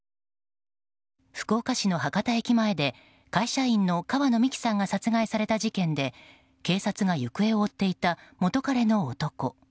福岡市の博多駅前で会社員の川野美樹さんが殺害された事件で警察が行方を追っていた元カレの男。